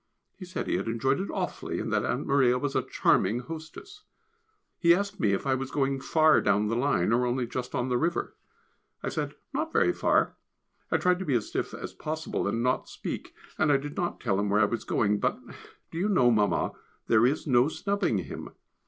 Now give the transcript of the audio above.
He said he had enjoyed it awfully, and that Aunt Maria was a charming hostess. He asked me if I was going far down the line, or only just on the river. I said not very far. I tried to be as stiff as possible and not speak, and I did not tell him where I was going, but, do you know, Mamma, there is no snubbing him.